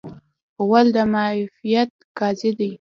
غول د معافیت قاضي دی.